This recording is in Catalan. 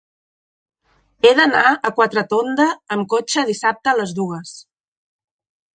He d'anar a Quatretonda amb cotxe dissabte a les dues.